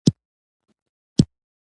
د خپلې ټولنې، ټولنيز ارزښتونه، قوم، ژبه